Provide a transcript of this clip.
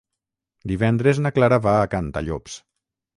Divendres na Clara va a Cantallops.